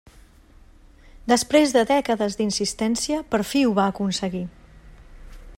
Després de dècades d'insistència, per fi ho va aconseguir.